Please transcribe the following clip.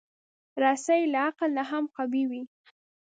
رسۍ له عقل نه هم قوي وي.